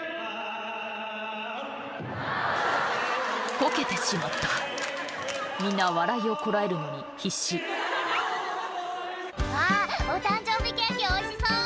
こけてしまったみんな笑いをこらえるのに必死「あっお誕生日ケーキおいしそう」